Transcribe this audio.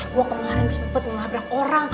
gue kemarin sempet ngelabrak orang